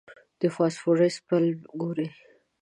د باسفورس پل ګورې.